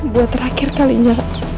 buat terakhir kalinya